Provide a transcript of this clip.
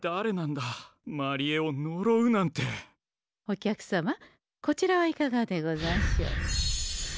お客様こちらはいかがでござんしょう？